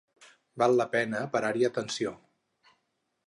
Val la pena parar-hi atenció.